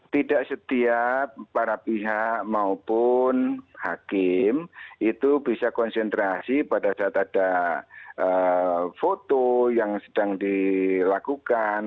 tidak setiap para pihak maupun hakim itu bisa konsentrasi pada saat ada foto yang sedang dilakukan